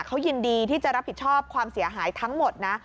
เขายินดีที่จะรับผิดชอบความเสียหายทั้งหมดนะ